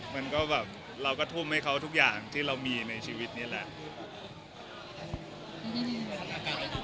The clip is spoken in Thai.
มันก็แบบเราก็ทุ่มให้เขาทุกอย่างที่เรามีในชีวิตนี่แหละ